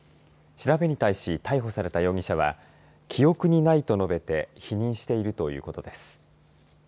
調べに対し、逮捕された容疑者は記憶にないと述べて否認しているということです。